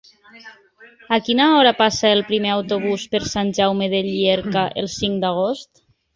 A quina hora passa el primer autobús per Sant Jaume de Llierca el cinc d'agost?